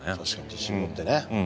自信持ってね。